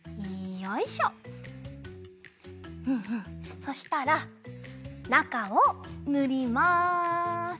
そしたらなかをぬります！